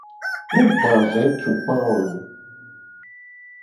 Mu gba vetukpa a o loo.